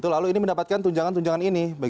lalu ini mendapatkan tunjangan tunjangan ini